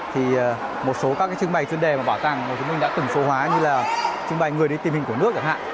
thì một số các cái trưng bày chuyên đề mà bảo tàng hồ chí minh đã từng số hóa như là trưng bày người đi tìm hình của nước chẳng hạn